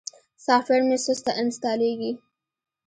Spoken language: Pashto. سافټویر مې سسته انستالېږي.